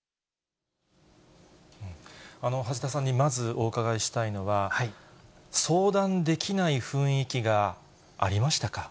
橋田さんにまずお伺いしたいのは、相談できない雰囲気がありましたか？